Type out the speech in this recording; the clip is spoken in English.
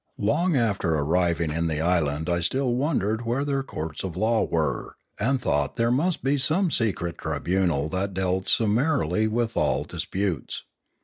Long after arriving in the island I still wondered where their courts of law were; and thought there must be some secret tribunal that dealt summarily with all dis putes.